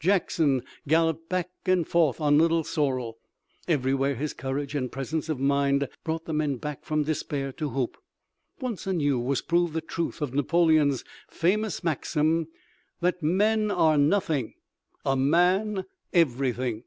Jackson galloped back and forth on Little Sorrel. Everywhere his courage and presence of mind brought the men back from despair to hope. Once anew was proved the truth of Napoleon's famous maxim that men are nothing, a man everything.